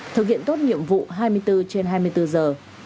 thực hiện tốt nhiệm vụ hai mươi bốn trên hai mươi bốn giờ